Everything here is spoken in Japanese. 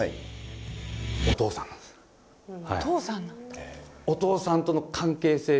お父さんなんだ。